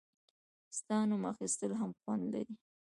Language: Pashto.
• ستا نوم اخیستل هم خوند لري.